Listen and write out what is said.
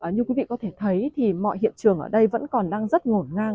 như quý vị có thể thấy thì mọi hiện trường ở đây vẫn còn đang rất ngổn ngang